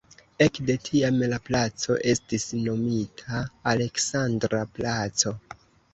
Ekde tiam la placo estis nomita "Aleksandra placo".